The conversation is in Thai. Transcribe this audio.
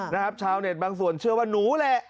นะครับชาวเน็ตบางส่วนเชื่อว่าหนูแหละ